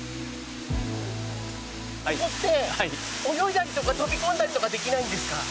ここって、泳いだりとか飛び込んだりとかできないんですか？